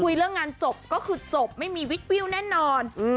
เรื่องงานจบก็คือจบไม่มีวิทวิวแน่นอน